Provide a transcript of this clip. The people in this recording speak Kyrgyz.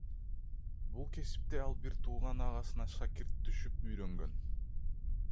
Бул кесипти ал бир тууган агасына шакирт түшүп үйрөнгөн.